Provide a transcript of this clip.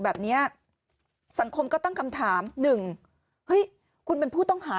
แบบนี้สังคมก็ต้องคำถาม๑คุณเป็นผู้ต้องหา